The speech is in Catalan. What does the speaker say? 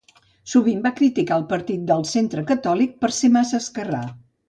Sovint va criticar el Partit del Centre Catòlic per ser massa esquerrà.